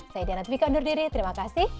saya diana twika undur diri terima kasih